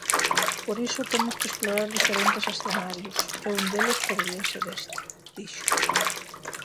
Por iso temos que explorar diferentes escenarios e un deles podería ser este, dixo.